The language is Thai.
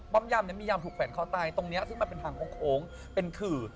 ยำมียำถูกแขวนคอตายตรงนี้ซึ่งมันเป็นทางโค้งเป็นขื่อ